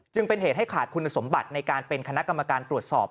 จึงเป็นเหตุให้ขาดคุณสมบัติในการเป็นคณะกรรมการตรวจสอบ